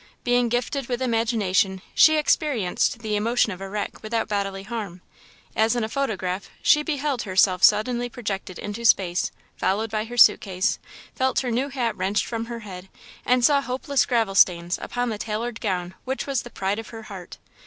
Being gifted with imagination, she experienced the emotion of a wreck without bodily harm. As in a photograph, she beheld herself suddenly projected into space, followed by her suit case, felt her new hat wrenched from her head, and saw hopeless gravel stains upon the tailored gown which was the pride of her heart.